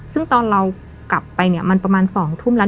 ซึ่งตอนเรากลับไปเนี่ยมันประมาณ๒ทุ่มแล้ว